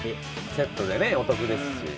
セットでねお得ですし。